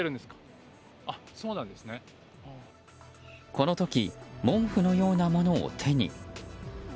この時毛布のようなものを手に。